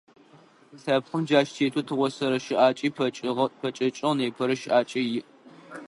Лъэпкъым джащ тетэу тыгъосэрэ щыӏакӏи пэкӏэкӏыгъ, непэрэ щыӏакӏи иӏ.